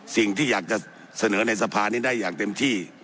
สิ่งที่อยากจะเสนอในสภานี้ได้อย่างเต็มที่